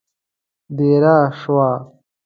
دېره شوو.